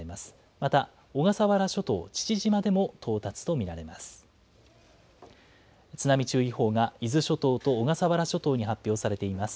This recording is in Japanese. また小笠原諸島父島でも到達と見られます。